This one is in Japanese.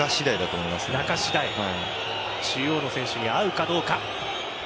中央の選手に合うかどうか。